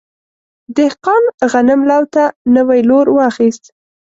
دهقان غنم لو ته نوی لور واخیست.